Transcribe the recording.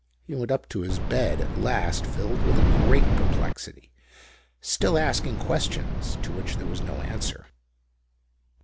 He went up to his bed at last filled with a great perplexity, still asking questions to which there was no answer.